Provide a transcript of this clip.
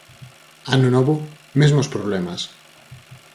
Ano novo, mesmos problemas.